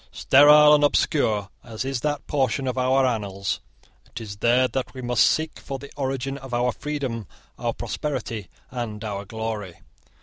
Sterile and obscure as is that portion of our annals, it is there that we must seek for the origin of our freedom, our prosperity, and our glory.